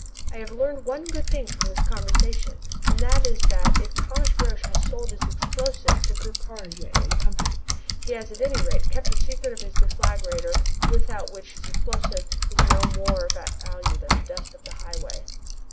I have learned one good thing from this conversation, and that is that if Thomas Roch has sold his explosive to Ker Karraje and Co., he has at any rate, kept the secret of his deflagrator, without which the explosive is of no more value than the dust of the highway.